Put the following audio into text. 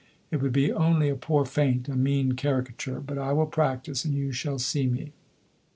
It would be only a poor feint a mean Caricature. But I will practise and you shall see me.